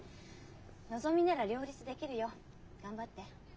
のぞみなら両立できるよ。頑張って。